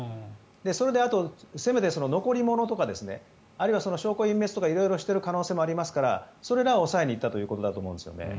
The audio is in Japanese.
それで、せめて残り物とかあるいは証拠隠滅とか色々している可能性もありますからそれらを押さえにいったということだと思うんですよね。